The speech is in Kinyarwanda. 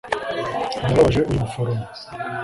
Ndababaje uyu muforomo